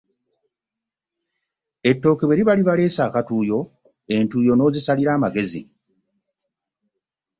Ettooke bwe liba libaleese akatuuyo, entuuyo n’ozisalira amagezi.